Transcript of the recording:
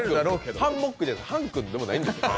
ハンモックでもハン君でもないんです。